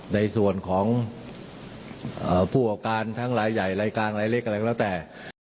ในส่วนของผู้ประกอบการทั้งรายใหญ่รายกลางรายเล็กอะไรก็แล้วแต่